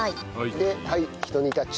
ではいひと煮立ち。